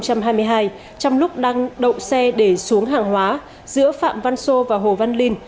trong lúc đang đậu xe để xuống hàng hóa giữa phạm văn sô và hồ văn linh